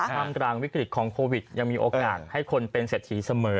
มกลางวิกฤตของโควิดยังมีโอกาสให้คนเป็นเศรษฐีเสมอ